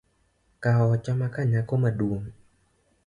Kaocha makanyako maduong’